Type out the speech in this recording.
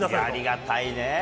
ありがたいね。